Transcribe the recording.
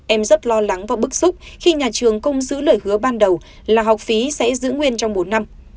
em rất lo lắng và bức xúc khi nhà trường công giữ lời hứa ban đầu là học phí sẽ giữ nguyên trong bốn năm